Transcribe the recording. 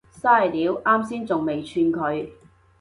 曬料，岩先仲未串佢